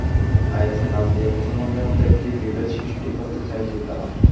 আইএসের নাম দিয়ে মুসলমানদের মধ্যে একটি বিভেদ সৃষ্টি করতে চাইছে তারা।